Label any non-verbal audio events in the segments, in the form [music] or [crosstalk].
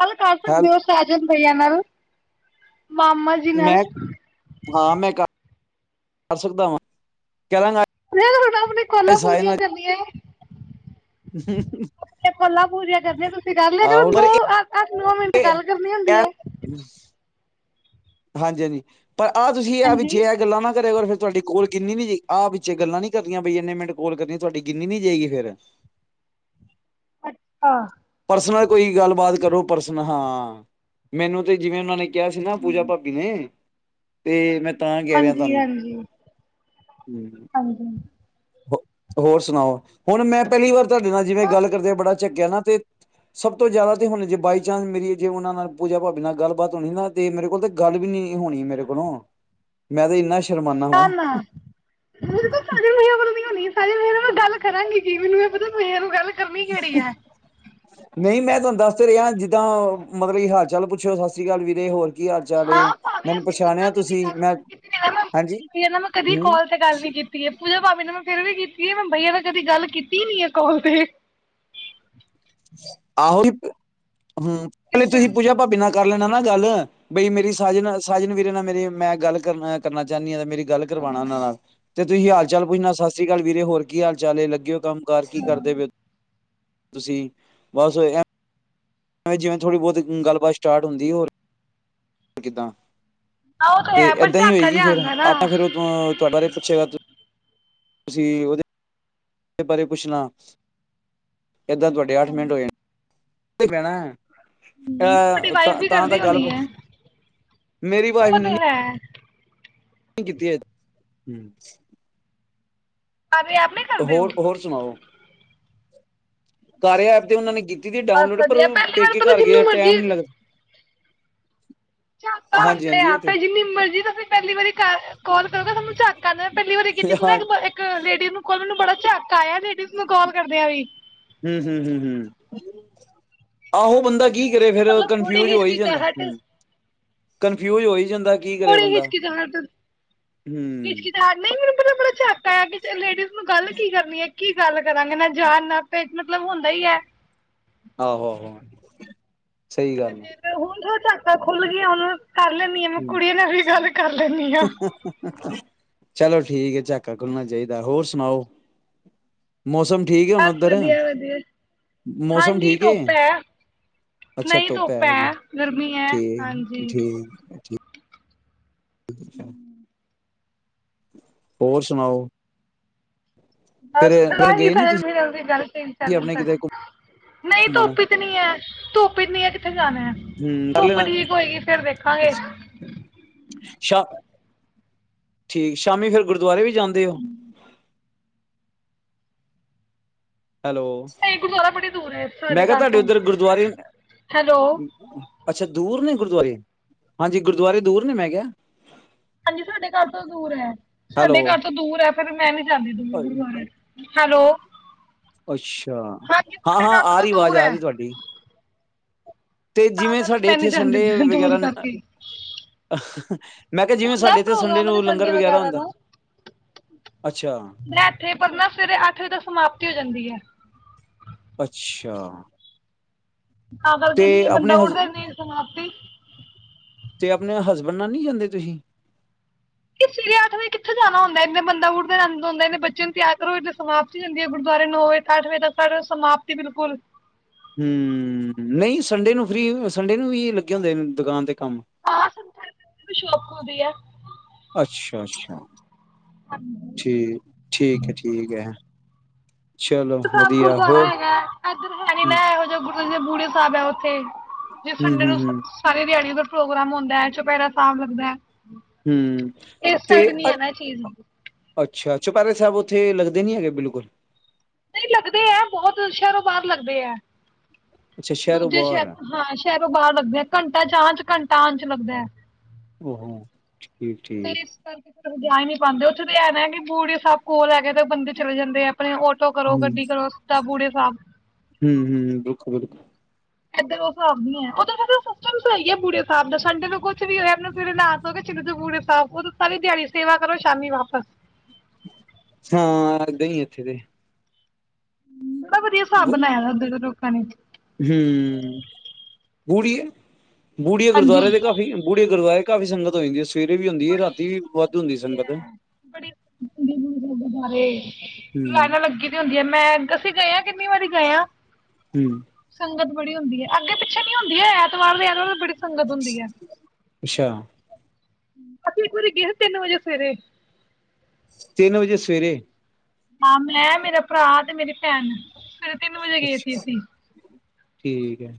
ਗੱਲ ਕਰ ਹੈਲ ਸਕਦੇ ਹੋ ਸਹਿਜ ਭਈਆ ਨਾਲ ਮਾਮਾ ਜੀ ਨਾਲ ਮੈਂ ਹਾਂ ਮੈਂ ਕਰ ਸਕਦਾ ਵਾਂ [unintelligible] ਫਿਰ ਹੁਣ ਆਪਣੀ ਕੱਲਾਂ ਪੂਰੀਆਂ ਕਰਨੀਆਂ ਹਮ ਆਪਣੀਆਂ ਕੋਲਾਂ ਪੂਰੀਆਂ ਕਰਨੀਆਂ ਤੁਸੀਂ ਕਰ ਲਿਆ ਜਲ ਆਹੋ [unintelligible] ਪਰ ਦੋ ਮਿੰਟ ਗੱਲ ਕਰਨੀ ਹੁੰਦੀ ਹੈ ਹਾਂਜੀ ਹਾਂਜੀ ਪਰ ਆਹ ਤੁਸੀਂ ਆ ਵੀ, ਜੇ ਹਾਂਜੀ ਇਹ ਗੱਲਾਂ ਨਾ ਕਰਿਓ। ਫਿਰ ਤੁਹਾਡੀ ਕੋਲ ਗਿਨਨੀ ਨਹੀ ਜਾਏਗੀ ਆਹ ਵਿੱਚੇ ਗੱਲਾਂ ਨਹੀਂ ਕਰਨੀਆਂ ਬਈ ਇੰਨੇ ਮਿੰਟ ਕੋਲ ਕਰੀ ਤੁਹਾਡੀ ਗਿਨਨੀ ਨਹੀ ਜਾਏਗੀ ਫੇਿਰ ਅੱਛਾ ਪਰਸਨਲ ਕੋਈ ਗੱਲਬਾਤ ਕਰੋ ਪਰਸਨਲ ਹਾਂ ਮੈਨੂੰ ਤੇ ਜਿਵੇਂ ਉਹਨਾਂ ਨੇ ਕਿਹਾ ਸੀ ਨਾ ਪੂਜਾ ਭਾਬੀ ਨੇ ਤੇ ਮੈਂ ਤਾਂ ਕਹਿ ਰਿਹਾ ਤੁਹਾਨੂੰ ਹਾਂਜੀ-ਹਾਂਜੀ-ਹਾਂਜੀ, ਹੋਰ ਸੁਣਾਓ, ਹੁਣ ਮੈਂ ਪਹਿਲੀ ਵਾਰ ਤੁਹਾਡੇ ਨਾਲ ਜਿਵੇਂ ਗੱਲ ਕਰਦੇ ਬੜਾ ਚੱਕਿਆ ਨਾ, ਤੇ ਸਭ ਤੋਂ ਜਿਆਦਾ ਤੇ ਹੁਣੇ ਜੇ ਬਾਈ ਚਾਂਸ ਮੇਰੀ ਜੇ ਉਹਨਾਂ ਨਾਲ ਪੂਜਾ ਭਾਬੀ ਨਾਲ ਗੱਲਬਾਤ ਹੋਣੀ ਨਾ ਤੇ ਮੇਰੇ ਕੋਲ ਤੇ ਗੱਲ ਵੀ ਨੀ ਹੋਣੀ ਮੇਰੇ ਕੋਲੋਂ ਮੈਂ ਤੇ ਇੰਨਾ ਸ਼ ਨਾ-ਨਾ, ਹੋਣੀ [unintelligible] ਗੱਲ ਕਰਾਂਗੀ, ਕਿ ਮੈਨੂੰ ਇਹ ਪਤਾ ਗੱਲ ਕਰਨੀ ਕਿਹੜੀ ਹੈ। ਨਹੀਂ ਮੈਂ ਤੁਹਾਨੂੰ ਦੱਸ ਤੇ ਰਿਹਾ ਜਿੱਦਾਂ ਮਤਲਬ ਕਿ ਹਾਲ-ਚਾਲ ਪੁੱਛਓ ਸਤਿ ਸ੍ਰੀ ਅਕਾਲ ਵੀਰੇ ਹੋਰ। ਕੀ ਹਾਲ ਚਾਲ ਹਾਂ ਏ ਭਾਵੇਂ ਮੈਨੂੰ ਅਸੀਂ ਕ ਗੱਲ ਕੀਤੀ ਪਛਾਣਿਆ ਮੈਂ ਕਦੀ ਤੁਸੀਂ ਮੈਂ ਹਾਂਜੀ ਹੂੰ ਕਾਲ ਤੇ ਗੱਲ ਨੀ ਕੀਤੀ ਹੈ ਪੂਜਾ ਭਾਵੇਂ ਮੈਂ ਫਿਰ ਵੀ ਕੀਤੀ ਆ ਮੈਂ ਬਈਆ ਤਾਂ ਕਦੀ ਗੱਲ ਕੀਤੀ ਨੀ ਆ ਕੋਲ ਤੇ ਆਹੁ, ਹੂੰ, ਪਹਿਲੇ ਕਿਸ ਤੁਸੀਂ ਤਰ੍ਹਾਂ ਦੀ ਪੂਜਾ ਭਾਬੀ ਨਾਲ ਕਰ ਲੈਣਾ ਨਾ। ਗੱਲ ਬਈ ਮੇਰੀ ਸਾਜਨ ਸਾਜਨ ਵੀਰੇ ਨਾਲ ਮੇਰੀ ਮੈਂ ਗੱਲ ਕਰ ਕਰਨਾ ਚਾਹੁੰਨੀ ਹਾਂ। ਮੇਰੀ ਗੱਲ ਕਰਵਾਣਾ ਉਹਨਾਂ ਨਾਲ ਤੇ ਤੁਸੀਂ ਹਾਲ-ਚਾਲ ਪੁੱਛਣਾ ਸਤਿ ਸ੍ਰੀ ਅਕਾਲ ਵੀਰੇ ਹੋਰ ਕੀ ਹਾਲ ਚਾਲ ਏ ਲੱਗੇ ਹੋ ਕੰਮ ਘਰ ਕੀ ਕਰਦੇ ਪ ਤੁਸੀਂ ਬਸ ਐ ਜਿਵੇਂ ਥੋੜ੍ਹੀ ਬਹੁਤ ਗੱਲਬਾਤ ਸਟਾਰਟ ਹੁੰਦੀ ਹੋਰ, ਕਿੱਦਾਂ ਹਾਂ ਉਹ ਤੇ ਹੈ ਪਰ ਏਦਾਂ ਹੀ ਝਾਕਾ ਹੋਏਗੀ, ਜਿਹਾ ਫੇਰ ਆਂਦਾ ਨਾ ਆਪਾਂ ਫਿਰ ਉਹ ਤੁਹਾਡੇ ਬਾਰੇ ਪੁੱਛੇਗਾ ਤੁਸੀਂ ਉਹਦੇ ਬਾਰੇ ਪੁੱਛਣਾ ਏਦਾਂ ਤੁਹਾਡੇ ਅੱਠ ਮਿੰਟ ਹੋ ਜਾਣੇ, ਪੈਣਾ ਏ ਤੁਹਾਡੀ ਵਾਈਫ ਵੀ ਤਾਂ-ਤਾਂ-ਤਾਂ, ਕਰਦੀ ਗੱਲ ਹੋਣੀ ਹੈ ਮੇਰੀ ਵਾਈਫ ਉਹ ਤੇ ਹੈ ਕੀਤੀ‌ ਏ ਹੂੰ, ਆਪ ਈ ਕਰਦੇ ਉਹ ਹੋਰ ਸੁਣਾਓ ਕਾਰਯ ਆਪ ਤੇ ਉਹਨਾਂ ਨੇ ਬਸ ਡਾਊਨਲੋਡ ਪਰ ਵਧੀਆ ਉਹ ਪਹਿਲੀ ਵਾਰ ਪੇਕੇ ਪਤਾ ਘਰ ਜਿੰਨੂੰ ਗਿਆ ਮਰਜੀ ਟਾਈਮ ਨੀ ਲੱਗਦਾ। [inaudible] ਝਾਂਕਾ ਹਾਂਜੀ ਹਾਂਜੀ ਇਹ ਤੇ ਆਂਦਾ ਜੀਨੀ ਮਰਜੀ ਤੁਸੀਂ ਪਹਿਲੀ ਵਾਰੀ ਕਾਲ ਕਰੋਗੇ, ਨੂੰ ਝਾਕਾ ਆਦੇ ਪਹਿਲੀ ਵਾਰੀ ਕੀਤੀ ਸੀ ਨਾ ਹਾਂ ਇੱਕ ਲੇਡੀ ਨੂੰ ਕਾਲ ਮੈਨੂੰ ਬੜਾ ਝਾ ਆਇਆ ਲੇਡੀਜ਼ ਨੂੰ ਕਾਲ ਕਰਦੀਆਂ ਵੀ ਹੂੰ ਹੂੰ ਹੂੰ ਹੂੰ ਆਹੋ ਬੰਦਾ ਕੀ ਕਰੇ ਫੇਰ ਮਤਲਬ ਥੋੜੀ ਕਨਫਿਊਜ ਹੋ ਹੀ ਜਾਂਦਾ। ਹਿਚਕਿਚਾਹਟ ਕੰਨਫਿਊਜ ਹੋਈ। ਕੋੜੀ ਹਿਚਕੀ ਜਾਰ ਹੂੰ ਹਿਚਕੀ ਜਾ ਨਹੀਂ ਮੈਨੂੰ ਪਤਾ ਬੜਾ ਝਾਕਾ ਲੇਡੀਜ਼ ਨੂੰ ਗੱਲ ਕੀ ਕਰਨੀ ਏ ਕੀ ਗੱਲ ਕਰਾਂਗੇ ਨਾ ਜਾਣ ਪਹਿਚਾਣ ਮਤਲਬ ਹੁੰਦਾ ਹੀ ਏ। ਆਹੋ ਹੋ ਤੇ ਫੇਰ ਹੁਣ ਥੋੜ੍ਹਾ ਘਟ ਖੁੱਲ ਗਈ ਹੁਣ ਕਰ ਲੈਂਦੀ ਆ ਹੂੰ ਕੁੜੀਆਂ ਨਾਲ ਵੀ ਗੱਲ ਕਰ ਲੈਂਣੀ। ਚਲੋ ਠੀਕ ਏ ਝਾਕਾ ਖੁੱਲਣਾ ਚਾਹੀਦਾ। ਹੋਰ ਸੁਣਾਓ ਮੌਸਮ ਠੀਕ ਏ ਹੁਣ ਬਸ ਉੱਧਰ ਵਧੀਆ ਵਧੀਆ ਮੌਸਮ ਹਾਂਜੀ ਠੀਕ ਏ। ਧੁੱਪ ਹੈ ਅੱਛਾ ਨਹੀਂ ਧੁੱਪ ਹੈ ਅਜੇ ਗਰਮੀ ਹੈ ਠੀਕ ਹਾਂਜੀ। ਠੀਕੀ [inaudible] ਹੋਰ ਸੁਣਾਓ [unintelligible] ਫਿਰ ਨਹੀਂ ਗਏ ਨੀ ਤੁਸੀਂ ਆਪਣੇ ਕਿਤੇ ਘੁੰਮਣ ਧੁੱਪ ਚ ਨੀ ਹੈ ਧੁੱਪ ਪਿੰਨੀਆਂ ਕਿਥੇ ਜਾਣਾ ਆ ਹਮ ਕਰ ਧੁੱਪ ਲੈਣਾ ਠੀਕ ਹੋਏਗੀ ਫੇਰ ਦੇਖਾਂਗੇ ਅੱਛਾ ਸ਼ਾ ਠੀਕ ਸ਼ਾਮੀ ਫੇਰ ਗੁਰਦੁਆਰੇ ਵੀ ਜਾਂਦੇ ਹੋ ਹੈਲੋ, ਨਹੀਂ ਗੁਰਦੁਆਰਾ ਬੜੀ ਦੂਰ ਹੈ ਮੈਂ ਸਾਡੇ ਕਿਹਾ ਘਰ ਤੁਹਾਡੇ ਤੋਂ। ਉੱਧਰ ਗੁਰਦੁਆਰੇ ਹੈਲੋ ਅੱਛਾ ਦੂਰ ਨੇ। ਗੁਰਦੁਆਰੇ ਹਾਂਜੀ ਗੁਰਦੁਆਰੇ ਦੂਰ ਨੇ। ਮੈਂ ਕਿਹਾ ਹਾਂਜੀ ਸਾਡੇ ਘਰ ਤੋਂ ਦੂਰ ਹੈ ਹੈਲੋ ਸਾਡੇ ਘਰ ਤੋਂ ਦੂਰ ਹੈ। ਫਿਰ ਮੈਂ ਜਾਂਦੀ ਗੁਰਦੁਆਰੇ ਹੈਲੋ ਅੱਛਾ ਹਾਂਜੀ ਹਾਂ ਤੁਹਾਡੇ ਹਾਂ ਘਰ ਤੋਂ ਆ ਨਾ ਰਹੀ ਆਵਾਜ਼ ਦੂਰ ਆ ਹੈ। ਰਹੀ ਤੁਹਾਡੀ। ਤੇ ਤਾਂ ਜਿਵੇਂ ਕਰਕੇ ਸਾਡੇ ਮੈਂ ਨੀ ਇੱਥੇ ਜਾਂਦੀ ਸੰਡੇ ਦੂਰ ਵਗੈਰਾ ਕਰਕੇ। ਮੈਂ ਕਿਹਾ ਜਿਵੇਂ ਹੁੰਦਾ ਸਾਡੇ ਇੱਥੇ ਪ੍ਰੋਗਰਾਮ ਨੂੰ ਲੰਗਰ ਸੰਡੇ ਵਗੈਰਾ ਹੁੰਦਾ ਨੂੰ। ਅੱਛਾ ਇਥੇ ਪਰ ਨਾ ਸਵੇਰੇ ਅੱਠ ਵਜੇ ਤੱਕ ਸਮਾਪਤੀ ਹੋ ਜਾਂਦੀ ਆ। ਅੱਛਾ ਤਾ ਕਰਕੇ ਤੇ ਇੰਨੀ ਬੰਦਾ ਆਪਣੇ ਹਸ ਉਠਦਾ ਨੀ ਸਮਾਪਤੀ। ਤੇ ਆਪਣੇ ਹਸਬੈਂਡ ਨਾਲ ਨਹੀਂ ਜਾਂਦੇ ਤੂੰ ਹੀ। ਸਵੇਰੇ ਅੱਠ ਵਜੇ ਕਿੱਥੇ ਜਾਣਾ ਹੁੰਦਾ ਏ ਇੰਨੇ ਨੂੰ ਬੰਦਾ ਉੱਠ ਜਾਂਦਾ ਹੁੰਦੇ ਨੇ ਬੱਚੇ ਨੂੰ ਤਿਆਰ ਕਰੋ। ਸਮਾਪਤੀ ਹੀ ਜਾਂਦੀ ਹੈ ਗੁਰਦੁਆਰੇ ਨੌ ਵਜੇ ਤੇ ਅੱਠ ਵਜੇ ਤੱਕ ਸਮਾਪਤੀ ਬਿਲਕੁਲ ਹੂੰ ਨਹੀਂ ਸੰਡੇ ਨੂੰ ਫ੍ਰਰੀ ਸੰਡੇ ਨੂੰ ਵੀ ਲੱਗੇ ਹੁੰਦੇ ਦੁਕਾਨ ਤੇ। ਕੰਮ ਹਾਂ ਸ਼ੋਅ ਰੂਮ ਹੁੰਦੀ ਆ ਅੱਛਾ ਅੱਛਾ ਹਾਂਜੀ ਠੀਕ ਠੀਕ ਹੈ ਠੀਕ ਹੈ। ਚਲੋ ਸਾਹਿਬ ਵਧੀਆ ਗੁਰਦੁਆਰਾ ਹੋਰ ਹੈਗਾ ਇੱਧਰ ਹੈ ਨੀ ਲ ਹੂੰ ਇਹੋ ਜਿਹਾ ਗੁਰਦਆ ਜ ਬੂੜੇ ਸਾਹਿਬ ਹੈ ਅਤੇ ਜੇ ਹੂੰ ਸੰੰਡੇ ਹੂੰ ਨੂੰ ਹੂੰ ਸਾਰੀ ਦਿਹਾੜੀ ਉੱਧਰ ਪ੍ਰੋਗਰਾਮ ਹੁੰਦਾ ਹੈ ਚੁਪੈਰਾ ਸਾਬ ਲੱਗਦਾ ਹੈ ਹਮ ਇਸ ਤੇ ਸਾਈਡ ਨੀ ਅ ਹੈ ਨਾ ਚੀਜ਼ ਨਹੀਂ ਅੱਛਾ ਚੁਪਰੇ ਸਾਹਿਬ ਉੱਥੇ ਲੱਗਦੇ ਨੀ ਹੈਗੇ ਬਿਲਕੁਲ ਨਹੀਂ ਲੱਗਦੇ ਹੈ ਬਹੁਤ ਸ਼ਹਿਰੋਂ ਬਾਹਰ ਲੱਗਦੇ ਹੈ ਅੱਛਾ ਸ਼ਹਿਰੋਂ ਦੂਜੇ ਬਾਹਰ ਸ਼ਹਿਰ ਆ ਹਾਂ ਸ਼ਹਿਰੋਂ ਬਾਹਰ ਲੱਗਦੇ ਘੰਟਾ ਚ ਆ ਚ ਘੰਟਾ ਆਚ ਲੱਗਦਾ ਹੈ ਹੋ ਤੇ ਇਸ ਕਰਕੇ ਜਾ ਹੀ ਨੀ ਪਾਉਂਦੇ ਉੱਥ ਤੇ ਆਣਾਗੇ ਬੂੜੇ ਸਬ ਕੋਲ ਲੈ ਕੇ ਤਾਂ ਬੰਦੇ ਚਲੇ ਜਾਂਦੇ ਆ ਆਪਣੇ ਆਟੋ ਕਰੋ ਗੱਡੀ ਕਰੋ ਸਿੱਧਾਂ ਬੂੜੇ ਸਭ ਹਮ ਹਮ ਦੁੱਖੋ ਬੱਖ ਸਿਸਟਮ ਸਹੀ ਬੂੇ ਸਾਬ ਦਾ ਸੰਡੇ ਕੁਛ ਵੀ ਹੋਇਆ ਚ ਬੂੇ ਸਾ ਸਾਰੀ ਦਿਹਾੜੀ ਸੇਵਾ ਕਰੋ ਸ਼ਾਮ ਵਾਪਸ ਹਾਂ ਗਈ ਇੱਥੇ ਦੇ ਵਧ ਵਧੀਆ ਸਾਬ ਲਾਇਆਧੋਂ ਹਜੀ ਬੁੜੀ ਮੂੜੀ ਗੁਰਦੁਆਰੇ ਹਾਂਜੀ ਦੇ ਕਾਫੀ ਮੂੜੀ ਗੁਰਦੁਆਰੇ ਕਾਫੀ ਸੰਗਤ ਹੋਏਗੀ ਬੜੀ ਦੂਰ ਤਕ ਹੁਣੀ ਹੈ ਹੂੰ ਬੜੀਾਰੇਨਾਂ ਲੱਗੀ ਦੀ ਹੁੰਦੀ ਹੈ ਮੈਂ ਤੁਸੀ ਕਿਹਾ ਹੈ ਕਿੰਨੀ ਵਾਰੀ ਗਾਇਆ ਹੂੰ ਸੰਗਤ ਬੜੀ ਹਦੀ ਹੈ ਅੱਗੇ ਪਿੱਛੇ ਨੀ ਹੁੰਦੀ ਐਤਵਾਰ ਐਤਵਾਰ ਬੜੀ ਸੰਗਤ ਹੁੰਦੀ ਹੈ ਅੱਛਾ ਅਸੀਂ ਘਰੇ ਗਏ ਸੀ ਤਿੰਨ ਵਜੇ ਸਵੇਰੇ ਤਿੰਨ ਵਜੇ ਸਵੇਰੇ ਹਾਂ ਮੈਂ ਮੇਰਾ ਭਰਾ ਤੇ ਮੇਰੀ ਭੈਣ ਫਿਰ ਤਿੰਨ ਵਜੇ ਗਏ ਸੀ ਅੱਛਾ ਅਸੀਂ ਠੀਕ ਹੈ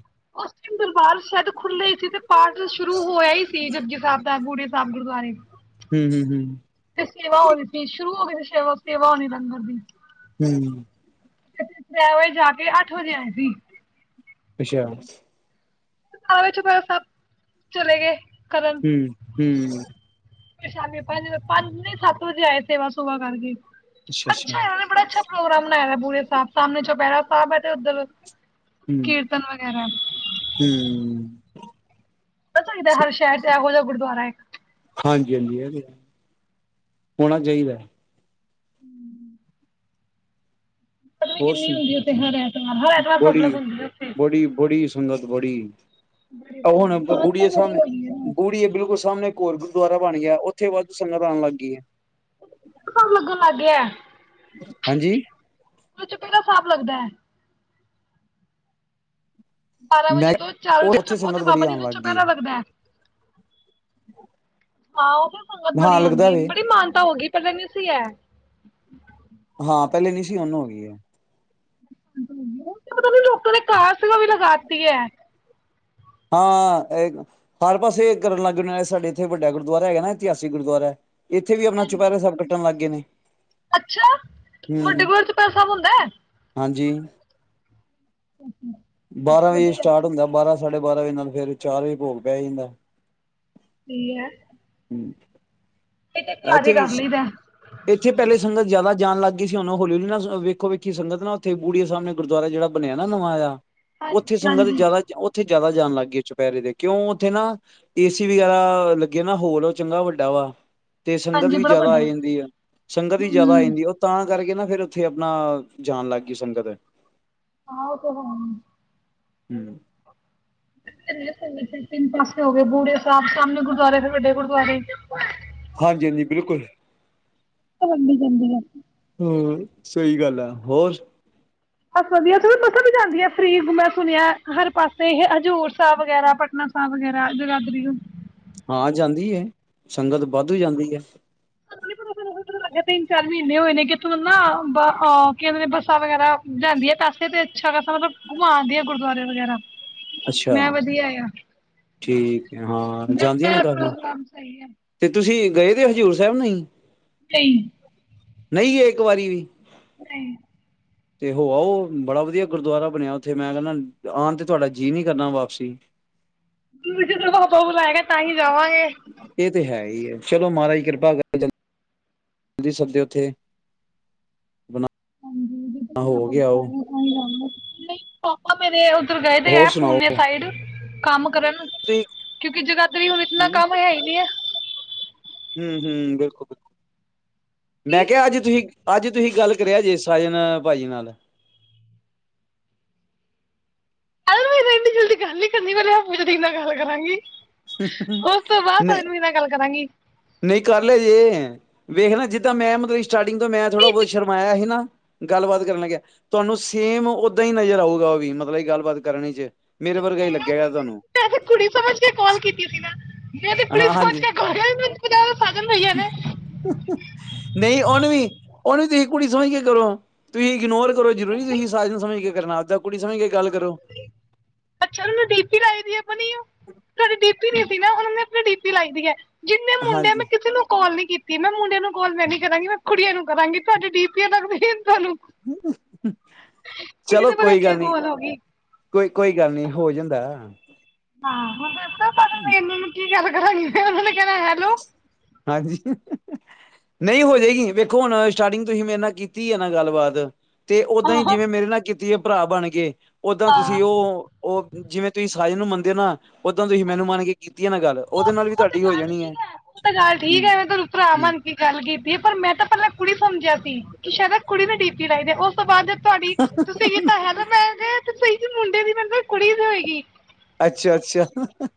ਦਰਬਾਰ ਸ਼ਦ ਖੁੱਲੇ ਸੀ ਤੇ ਪਾਠ ਸ਼ੁਰੂ ਹੋਇਆ ਹੀ ਸੀ ਜਗੀ ਸਾਹਿਬ ਦਾ ਗੂੜੇ ਸਾਹਿਬ ਗੁਰਦੁਆਰੇ ਹੂੰ ਹੂੰ ਤੇ ਸੇਵਾ ਹੋਈ ਸੀ ਸ਼ੁਰੂ ਹੋ ਗਏ ਸੇਵਾ ਤੋਂ ਸੇਵਾ ਹੋਣੀ ਲੰਗਰ ਦੀ ਹੂੰ ਹੂੰ ਹੋ ਜਾ ਕੇ ਇਹ ਅੱਠ ਵਜੇ ਆਇ ਸੀ ਅੱਛਾ [inaudible] ਚ ਸਭ ਚਲੇ ਗਏ ਕਰਨ ਹੂਸ਼ ਫੇਰ ਸ਼ਾਮੀ ਪੰਜ ਵਜੇ ਪੰਜ ਨੀ ਸੱਤ ਵਜੇ ਆਏ ਸੇਵਾ ਸੁਵਾ ਕਰਕੇ। ਅੱਛਾ ਉਹ ਨੇ ਬੜਾ ਅੱਛਾ ਪ੍ਰੋਗਰਾਮ ਬਣਾਇਆ ਏ ਪੂਰੇ ਸਾਹਮਣੇ ਚੌਪਹਿਰਾ ਸਾਹਿਬ ਹੈ ਤੇ ਉੱਧਰ ਹੂੰ ਕੀਰਤਨ ਵਗੈਰਾ ਹੂੰ ਪਤਾ ਚਹੀਦਾ ਹਰ ਸ਼ਹਿਰ ਤੇ ਇਹੋ ਜਿਹਾ ਗੁਰਦੁਆਰਾ ਇੱਕ ਹਾਂਜੀ-ਹਾਂਜੀ ਐ ਤੇ ਹੈ। ਹੋਣਾ ਚਾਹੀਦਾ। ਹੂੰ ਹੋਰ ਹੁੰਦੀ ਉੱਥੇ ਹਰ ਐਤਵਾਰ ਹਰ ਸੁਣਾਓ ਐਤਵਾਰ ਬੜੀ ਪਬਲਿਕ ਹੁੰਦੀ ਉੱਥੇ ਬੜੀ ਬੜੀ ਸੰਗਤ ਬੜੀ ਬੜੀ ਆ ਹੁਣ ਸੰਗਤ ਤਾਂ ਬੁੜੀਏ ਬੜੀ ਸਾਹਮਣੇ ਹੋਈ ਹੈ ਬੁੜੀਏ ਬਿਲਕੁਲ ਸਾਹਮਣੇ ਘਰ ਗੁਰਦੁਆਰਾ ਬਣ ਗਿਆ ਉੱਥੇ ਵੱਧੂ ਸੰਗਤ ਆਣ ਲੱਗ ਗਈ ਏ। ਕੰ ਲੱਗਣ ਲੱਗ ਗਿਆ ਹੈ। ਹਾਂਜੀ। ਉਹ ਚੁਪੈਰਾ ਸਾਹਿਬ ਲੱਗਦਾ ਹੈ। ਬਾਰਾਂ ਵਜੇ ਮੈਂ ਤੋਂ ਚਾਰ ਵਜੇ ਉਹ ਤੱਕ ਉੱਥੇ ਛੱਪੋ ਤੇੇ ਸੰਗਤ ਬੜੀ ਬਾਬਾ ਜੀ ਆਉਣ ਦਾ ਲੱਗ ਗਈ ਚੁਪੈਰਾ ਆ ਲੱਗਦਾ ਹੈ। ਹਾਂ ਉਹ ਤੇ ਸੰਗਤ ਹਾਂ ਬੜੀ ਲੱਗਦਾ ਆਦੀ ਵੇ ਬੜੀ ਮਾਨਤਾ ਹੋ ਗਈ ਪਤਾ ਨੀ ਸੀ ਹੈ। ਹਾਂ ਪਹਿਲੇ ਨੀ ਸੀ ਹੁਣ ਹੋ ਗਈ ਏ। ਪਤਾ ਲੋਕਾਂ ਦੇ ਕਾਰ ਸੇਵਾ ਵੀ ਲਗਾਤੀ ਹੈ। ਹਾਂ ਹਰ ਪਾਸੇ ਕਰਨ ਲੱਗ ਜਾਂਣੇੇ ਸਾਡੇ ਇੱਥੇ ਵੱਡਾ ਗੁਰਦੁਆਰਾ ਹੈਗਾ ਨਾ ਇਤਿਹਾਸਿਕ ਗੁਰਦੁਆਰਾ ਹੈ। ਇੱਥੇ ਵੀ ਆਪਣਾ ਚੌਪਹਿਰਾ ਸਾਹਿਬ ਕੱਟਣ ਲੱਗ ਗਏ ਨੇ। [inaudible] ਅੱਛਾ, ਵੱਡੇ ਹਮ ਗੁਰਦੁਆਰਾ ਸਾਹਿਬ ਚੌਪਹਿਰਾ ਸਾਹਿਬ ਹੁੰਦਾ ਹੈ। ਹਾਂਜੀ। ਬਾਰਾਂ ਵਜੇ ਵਧੀਆ ਸਟਾਰਟ ਹੁੰਦਾ ਬਾਰਾਂ ਸਾਢੇ ਬਾਰਾਂ ਵਜੇ ਨਾਲ, ਫੇਰ ਚਾਰ ਵਜੇ ਭੋਗ ਪੈ ਜਾਂਦੈ। ਸਹੀ ਹੈ ਹੁ ਇਹ ਤੇ ਆਈ ਘਰ ਹੀ ਥਿੰਕ ਕਰ ਇਜ਼, ਲਈਦਾ ਇੱਥੇ ਪਹਿਲੇ ਸੰਗਤ ਜ਼ਿਆਦਾ ਜਾਣ ਲੱਗ ਗਏ ਸੀ ਹੁਣ ਉਹ ਹੌਲੀ ਹਲੀ ਨਾ, ਵੇਖੋ ਵੇਖੀ ਸੰਗਤ ਨਾ ਉਥੇ ਬੁੜੀ ਸਾਹਿਬ ਗੁਰਦੁਆਰਾ, ਜਿਹੜਾ ਬਣਿਆ ਨਾ ਨਵਾਇਆ। ਉੱਥੇ ਹਾਂਜੀ ਸੰਗਤ ਹਾਂਜੀ ਜ਼ਿਆਦਾ, ਉੱਥੇ ਜ਼ਿਆਦਾ ਜਾਣ ਲੱਗ ਗਏ ਚੁਪਹਿਰੇ ਦੇ ਕਿਉਂ, ਉੱਥੇ ਨਾ ਏਸੀ ਵਗੈਰਾ ਲੱਗੇ ਨਾ ਹੋਲ ਉਹ ਚੰਗਾ ਵੱਡਾ ਵਾ। ਤੇ ਸੰਗਤ ਹਾਂਜੀ ਵੀ ਬੜਾ ਜ਼ਿਆਦਾ ਵੱਡਾ ਆ ਜਾਂਦੀ ਹੈ, ਸੰਗਤ ਵੀ ਜ਼ਿਆਦਾ ਆ ਹਮ ਜਾਂਦੀ, ਉਹ ਤਾਂ ਕਰਕੇ ਨਾ ਫਿਰ ਉੱਥੇ ਆਪਣਾ ਜਾਣ ਲੱਗ ਗਈ ਸੰਗਤ। ਆਹੋ ਤੋਂ [unintelligible] ਹਾਂ ਹੂੰ। [unintelligible] ਤਿੰਨ ਪਾਸੇ ਹੋ ਗਏ, ਬੂੜੇ ਸਾਹਿਬ ਸਾਹਮਣੇ ਗੁਰਦੁਆਰੇ, ਫਿਰ ਵੱਡੇ ਗੁਰਦੁਆਰੇ। ਹਾਂਜੀ ਹਾਂਜੀ ਬਿਲਕੁਲ। ਤੁਹਾਡੀ ਗੰਦੀ ਏ। ਹੋਰ ਸਹੀ ਗੱਲ ਆ ਹੋਰ। ਬਸ ਵਧੀਆ। ਬੱਸਾਂ ਵੀ ਜਾਂਦੀ ਹੈ ਫ੍ਰਰੀ [unintelligible] ਸੁਣਿਆ ਹਰ ਪਾਸੇ ਹੀ ਹਜ਼ੂਰ ਸਾਹਿਬ ਵਗੈਰਾ, ਪਟਨਾ ਸਾਹਿਬ ਵਗੈਰਾ, ਜਗਾਦਰੀ। ਹਾਂ ਜਾਂਦੀ ਹੈ, ਸੰਗਤ ਵਾਧੂ ਜਾਂਦੀ ਹੈ। ਤਿੰਨ ਚਾਰ ਮਹੀਨੇ ਹੋਏ ਨੇ, ਕਿਥੋਂ ਨਾ ਬੱਸਾਂ ਵਗੈਰਾ [unintelligible] ਲਿਆਂਦੀ ਹੈ ਪੈਸੇ ਤੇ। ਸ਼ਗਾ ਮਤਲਬ [unintelligible] ਆਉਂਦੀ ਹੈ ਗੁਰਦੁਆਰੇ। ਵਗੈਰਾ। ਅੱਛਾ ਮੈਂ ਵਧੀਆ ਆ ਠੀਕ ਹੈ, ਹਾਂ ਮੈਂ ਜਾਂਦੀਆਂ ਨੇ ਇਹ ਕਾਫ਼ੀ ਪ੍ਰੋਗਰਾਮ ਸਹੀ ਹੈ ਤੇ ਤੁਸੀਂ। ਗਏ ਕਿ ਹਜ਼ੂਰ ਸਾਹਿਬ ਨਹੀਂ। ਨਹੀਂ। ਨਹੀਂ ਗਏ ਇੱਕ ਵਾਰੀ ਵੀ। ਨਹੀਂ। ਤੇ ਹਉ ਉਹ ਬੜਾ ਵਧੀਆ ਗੁਰਦੁਆਰਾ ਬਣਿਆ ਉੱਥੇ, ਮੈਂ ਕਹਿੰਦਾ ਆਉਣ ਤੇ ਤੁਹਾਡਾ ਜੀਅ ਨੀ ਕਰਨਾ ਵਾਪਸੀ। [unintelligible] ਬੁਲਾਏਗਾ ਤਾਂ ਹੀ ਰਵਾ ਹੈ। ਇਹ ਹੈ ਹੀ ਹੈ ਚਲੋ ਮਹਾਰਾਜ ਦੀ ਕਿਰਪਾ ਬਣਾਈ ਰੱਖੇ ਸਭ ਦੇ ਉੱਤੇ। ਹਾਂਜੀ ਜਦ ਆਪਾਂ ਬਾਰੀਆਂ [inaudible] ਨਹੀਂ ਪਾ [inaudible] ਮੇਰੇ ਉੱਧਰ ਗਏ ਵੇ ਹੋਰ ਹੈ, ਸੁਣਾਓ ਪੂਨੇ ਸਾਈਡ। ਕੰਮ ਕਰਨ ਤੁਸੀਂ ਕਿਉਂਕਿ ਜਗਾਦਰੀ‌ ਵੀ ਹੁਣ ਇਤਨਾ ਹੂੰ ਕੰਮ ਹੈ ਹੀ ਨੀ ਹੈ ਹਮ ਹਮ ਬਿਲਕੁਲ ਮੈਂ ਕੀ ਕਿਹਾ ਅੱਜ ਤੁਸੀਂ ਅੱਜ ਤੁਸੀਂ ਗੱਲ ਕਰਿਆ ਜੇ ਸਾਜਨ ਭਾਜੀ ਨਾਲ ਮ ਇੰਨੀ ਜਲਦੀ ਗੱਲ ਨੀ ਕਰਨੀ ਮੇ ਆਪ ਜਲਦੀ ਨਾਲ ਗੱਲ ਕਰਾਂਗੀ ਉਸ ਤੋਂ ਬਾਅਦ ਨਹੀਂ ਤਨਵੀ ਨਾਲ ਗੱਲ ਕਰਾਂਗੀ ਨਹੀਂ ਕਰ ਲੈ ਜੇ ਵੇਖਣਾ ਜਿੱਦਾਂ ਮੈਂ ਮਤਲਬ ਸਟਾਰਟਿੰਗ ਤੋਂ ਮੈਂ ਥੋੜ੍ਹਾ ਬਹੁਤ ਸ਼ਰਮਾਇਆ ਸੀ ਨਾ ਗੱਲਬਾਤ ਕਰਨ ਲੱਗ ਤੁਹਾਨੂੰ ਸੇਮ ਓਦਾਂ ਹੀ ਨਜ਼ਰ ਆਊਗਾ ਉਹ ਵੀ ਮਤਲਬ ਗੱਲਬਾਤ ਕਰਨ ਚ ਮੇਰੇ ਵਰਗਾ ਹੀ ਲੱਗਿਆ ਗਿਆ ਤੁਹਾਨੂੰ ਕੋਲ ਕੀਤੀ ਸੀ ਨਾ ਮੈਂ ਹਾਂ ਪੁਲਿਸ ਹਾਂਜੀ ਪੋਚ ਕੇ ਕ ਮੈਨੂੰ ਸਾਧਨ ਹੋ ਨੇ ਨਹੀਂ ਉਹਨੂੰ ਵੀ ਉਹਨੂੰ ਵੀ ਤੁਸੀਂ ਕੁੜੀ ਸਮਝ ਕੇ ਕਰੋ ਤੁਸੀਂ ਇਗਨੋਰ ਕੋਈ ਜ਼ਰੂਰੀ ਤੇ ਨਹੀ ਤੁਸੀਂ ਸਾਰੇ ਨੂ ਸਮਝ ਕੇ - ਫਿਰ ਨਾਲ ਦੇ, ਔ ਕੁੜੀ ਸਮਝ ਗੇ ਅੱਛਾਨੂੰ ਡੀ ਪੀ ਲਾਈ ਵੀ ਆਪਣੀ ਉਹ ਤੁਹਾਡੀ ਦੀ ਪੀ ਨਹੀ ਸੀ ਨਾ ਹੁਣ ਆਪਣੀ ਡੀਪੀ ਲਾਈ ਦੀ ਏ ਜਿੰਨੇ ਮੁੰਡੇ ਹਾਂਜੀ। ਮੈਂ ਕਿਸੇ ਨੂੰ ਕਾੱਲ ਨੀ ਕੀਤੀ ਮੈਂ ਮੁੰਡੇ ਨੂੰ ਕੋਲ ਮੈਂ ਨੀ ਕਰਾਂਗੀ, ਮੈਂ ਕੁੜੀਆਂ ਨੂੰ ਕਰਾਂਗੀ, ਤੁਹਾਡੇ ਡੀ ਪੀ ਦਾ ਧਨ ਕੁੜੀ ਚਲੋ ਦੇ ਕੋਈ ਭਲੇਖੇ ਗੱਲ ਨੀ ਕਾਲ ਹੋ ਗਈ ਕੋਈ ਕੋਈ ਗੱਲ ਨਹੀਂ ਹੋ ਜਾਂਦਾ ਹੈ ਹਾਂ ਦ ਪਤਾ ਮੈਨੂੰ ਨੂੰ ਕੀ ਗੱਲ [inaudible] ਹਾਂਜੀ ਨਹੀਂ ਹੋਜਏਗੀ ਵੇਖੋ ਹੁਣ ਸਟਾਰਟਿੰਗ ਤੁਸੀਂ ਮੇਰੇ ਨਾਲ ਕੀਤੀ ਆ ਨਾ ਗੱਲਬਾਤ ਤੇ ਓਦਾਂ ਹੀ ਹਾਂ ਜਿਵੇਂ ਮੇਰੇ ਨਾਲ ਕੀਤੀ ਤੇ ਔ ਭਰਾ ਬਣ ਗਏ ਉਦਾਂ ਤੁਸੀਂ ਹਾਂ ਉਹ ਉਹ ਜਿਵੇਂ ਤੁਸੀਂ ਰਾਜੇ ਨੂੰ ਮੰਨਦੇ ਔ ਨਾ ਉਦਾਂ ਤੁਸੀਂ ਮੈਨੂੰ ਮੰਨ ਕੇ ਕੀਤੀ ਆ ਨਾ ਗੱਲ ਉਹਦੇ ਨਾਲ ਵੀ ਤੁਹਾਡੀ ਹੋ ਜਾਣੀ ਹੈ ਚਲ ਠੀਕ ਹੂੰ ਹੈ, ਮੈਂ ਤੁਹਾਨੂੰ ਭਰਾ ਹੂੰ ਮੰਨ ਕੇ ਗੱਲ ਕੀਤੀ ਹੈ, ਪਰ ਮੈਂ ਤਾਂ ਪਹਿਲਾਂ ਕੁੜੀ ਸਮਝਿਆ ਸੀ ਕਿ ਸ਼ਾਇਦ ਏ ਕੁੜੀ ਬੈਠੀ ਕਿਤੇ ਰਹਿ ਗਿਆ ਉਹ ਉਸ ਤੋਂ ਬਾਅਦ ਤੁਹਾਡੀ ਤੁਸੀਂ ਵੀ ਤਾਂ ਹੈ, ਮੈਂ ਕਿਹਾ ਤੁਸੀ ਮੁੰਡੇ ਨੀ ਮਤਦਾ ਕੁੜੀ ਵੀ ਹੋਏਗੀ ਅੱਛਾ ਅੱਛਾ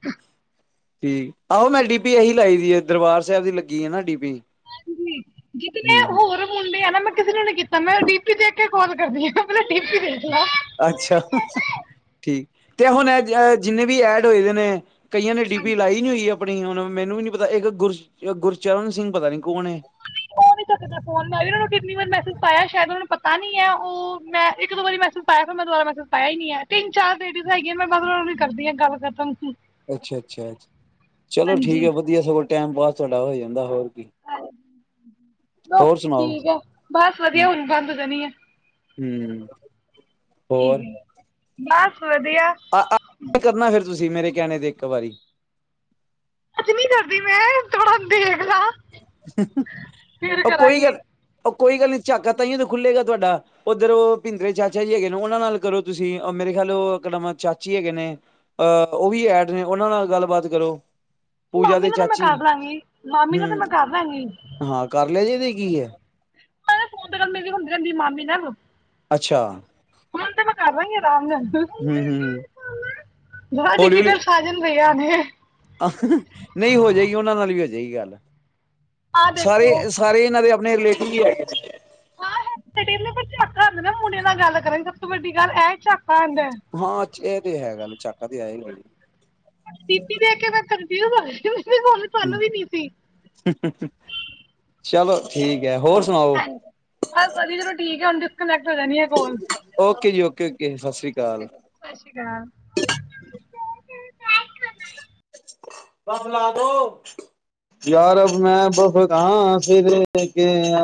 ਠੀਕ ਆਓ ਮੈਂ ਡੀਪੀ ਇਹੀ ਲਾਈ ਦੀ ਦਰਬਾਰ ਸਾਹਿਬ ਦੀ ਲੱਗੀ ਐ ਨਾ ਡੀਪੀ ਹਾਂਜੀ ਜਿਤਨੇ ਹਮ ਹਮ ਹੋਰ ਮੁੰਡੇ ਆ ਨਾ ਮੈਂ ਕਿਸੇ ਨੇ ਨੀ ਕੀਤਾ ਮੈਂ ਡੀਪੀ ਦੇਖ ਕੇ ਫੋਨ ਕਰਦੀ ਆ ਅੱਛਾ ਹਾ ਹੂ ਠੀਕ ਤੇ ਐ ਹੁਣ ਜਿੰਨੇ ਵੀ ਐਡ ਹੋਏ ਦੇ ਨੇ ਕਈਆਂ ਨੇ ਡੀਪੀ ਹਾਂਜੀ, ਲਾਈ ਨਹੀਂ ਹੋਈ ਆ ਆਪਣੀ ਹੁਣ ਮੈਨੂੰ ਵੀ ਨਹੀਂ ਪਤਾ ਇੱਕ ਗੁਰ ਗੁਰਚਰਨ ਸਿੰਘ ਪਤਾ ਨਹੀਂ ਉਹ ਵੀ ਤੁਹਾਡੇ ਨਾਲ ਫੋਨ ਲਾ ਕੇ ਉਹ ਨੂੰ ਕਿੰਨੀ ਵਾਰੀ ਮੈਸੇਜ ਪਾਇਆ ਸ਼ਾਇਦ ਉਹ ਨੂੰ ਪਤਾ ਨੀ ਐ ਉਹ ਮੈਂ ਇੱਕ-ਦੋ ਵਾਰੀ ਮੈਸੇਜ ਪਾਇਆ ਫਿਰ ਮੈਂ ਦੁਬਾਰਾ ਮੈਸੇਜ ਪਾਇਆ ਹੀ ਨੂੰ ਏ। ਤਿੰਨ-ਚਾਰ ਲੇਡੀਜ਼ ਹੈਗੀਆਂ ਮੈਂ ਉਨਾ ਵੀ ਕਰਦੀ ਆ ਗੱਲ ਖਤਮ। ਅੱਛਾ-ਅੱਛਾ, ਚਲੋ ਠੀਕ ਹਾਂਜੀ ਏ ਵਧੀਆ ਸਗੋ ਟਾਈਮ ਪਾਸ ਤੁਹਾਡਾ ਹੋ ਜਾਂਦਾ ਹੋਰ ਕੀ ਹਾਂਜੀ, ਬਸ ਹੋਰ ਸੁਣਾਓ ਠੀਕ ਏ ਬਸ ਵਧੀਆ ਹੁਣ ਬੰਦ ਕਰਨੀ ਏ। ਹੂੰ ਠੀਕ ਐ, ਬਸ ਵਧੀਆ। ਕਰਨਾ ਫਿਰ ਤੁਸੀਂ ਮੇਰੇ ਕਹਿਣੇ ਤੇ ਇੱਕ ਵਾਰੀ। ਅੱਜ ਨੀ ਕਰਦੀ ਮੈਂ ਥੋੜਾ ਦੇਖਲਾ ਓ ਕੋਈ ਗੱਲ ਓ ਕੋਈ ਗੱਲ ਨਹੀਂ ਝਾਕਾ ਤਾਹੀਓ ਤੇ ਖੁਲੇਗਾ ਤੁਹਾਡਾ, ਉਧਰ ਉਹ ਭਿੰਦਰ ਚਾਚਾ ਜੀ ਹੈਗੇ ਨੇ ਉਹਨਾਂ ਨਾਲ ਕਰੋ ਤੁਸੀਂ ਮੇਰੇ ਖਿਆਲ ਉਹ ਇੱਕ ਨਵਾਂ ਚਾਚੀ ਹੈਗੇ ਨੇ ਉਹ ਵੀ ਐਡ ਨੇ ਉਹਨਾਂ ਨਾਲ ਗੱਲਬਾਤ ਕਰੋ। ਪੂਜਾ ਮਾਮੀ ਦੇ ਨਾਲ ਤੇ ਮੈਂ ਚਾਚੀ ਕਰ ਲਾਂਗੀ, ਮਾਮੀ ਨਾ ਤੇ ਹਮ ਮੈਂ ਕਰ ਲਾਂਗੀ ਹਾਂ ਕਰ ਲਏ ਜੇ ਕਿਤੇ ਗਈ ਏ। ਮੈ ਕਿਹਾ ਫੋਨ ਤੇ ਮੇਰੀ ਗੱਲ ਹੁੰਦੀ ਰਹਿੰਦੀ ਮਾਮੀ ਨਾਲ। ਅੱਛਾ ਹੁਣ ਤੇ ਮੈਂ ਕਰ ਲਾ ਗੀ ਰਾਤ ਹਮ ਹਮ [unintelligible] ਬੜਾ ਹੌਲੀ ਹੌਲੀ ਡਿਫੀਕਲਟ ਸਾਜਨ ਬਈਆ। ਮੈਂ ਕਿਹਾ ਸਹੀ ਗੱਲ ਆ। ਆਹ ਸਾਰੇ ਦੇਖੋ ਸਾਰੇ ਇਹਨਾਂ ਦੇ ਆਪਣੇ ਰਿਲੇਟ ਕੀ ਐ [unintelligible] ਢੰਗ ਨਾ ਮੁੰਡੇ ਨਾਲ ਗੱਲ ਕਰਨਾਂ ਸਭ ਤੋਂ ਵੱਡੀ ਗੱਲ ਇਹ ਚਾ ਹਾਂ ਇਹ ਤੇ ਹੈ ਗੱਲ। ਝਾਕਾ ਤੇ ਹੈ ਈ ਫਿਰ। ਪੀ ਪੀ ਦੇਖ ਕੇ ਮੈਂ ਕਨਫਿਊਜ ਹੋ ਜਾਨੀ ਨਹੀ ਹੁਣ ਸਾਨੂੰ ਵੀ ਨੀ ਸੀ। ਚਲੋ ਠੀਕ ਹੈ ਹੋਰ ਸੁਣਾਓ ਹਾਂਜੀ ਬਸ ਵਧੀਆ ਚਲੋ ਠੀਕ ਹੈ ਹੁਣ ਕੁਨੈਕ ਟ ਹੋ ਜਾਣੀ ਹੈ ਕੋਲ। ਕੇ ਜੀ ਓਕੇ। ਓਕੇ ਸਤਿ ਸ੍ਰੀ ਠੀਕ ਹੈ ਅਕਾਲ ਜੀ, ਸਤਿ ਸ਼੍ਰੀ ਅਕਾਲ। ਲ ਦ ਯਾਰ ਮੈਂ ਬਫ਼ ਕ ਫਿਰ ਕੇ [unintelligible]